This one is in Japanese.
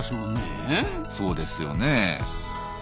そうですよねえ。